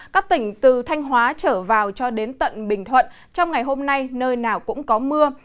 các tỉnh từ thanh hóa trở vào cho đến tận bình thuận trong ngày hôm nay nơi nào cũng có mưa